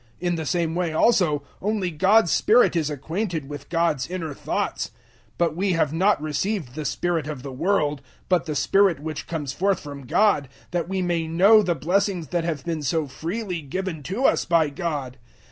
In the same way, also, only God's Spirit is acquainted with God's inner thoughts. 002:012 But we have not received the spirit of the world, but the Spirit which comes forth from God, that we may know the blessings that have been so freely given to us by God.